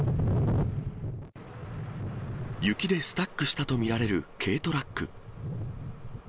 雪でスタックしたと見られる軽トラック。